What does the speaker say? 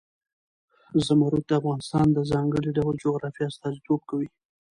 زمرد د افغانستان د ځانګړي ډول جغرافیه استازیتوب کوي.